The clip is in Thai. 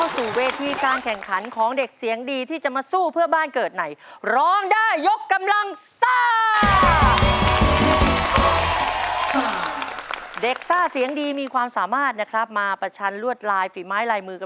ซู่ซู่ซ่าซ่ายกกำลังซ่ามาซู่ซู่